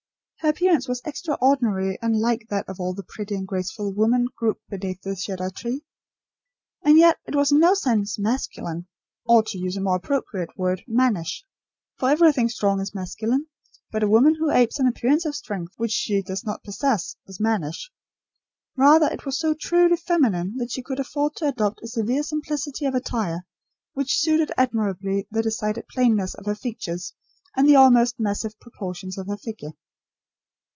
Her appearance was extraordinarily unlike that of all the pretty and graceful women grouped beneath the cedar tree. And yet it was in no sense masculine or, to use a more appropriate word, mannish; for everything strong is masculine; but a woman who apes an appearance of strength which she does not possess, is mannish; rather was it so truly feminine that she could afford to adopt a severe simplicity of attire, which suited admirably the decided plainness of her features, and the almost massive proportions of her figure.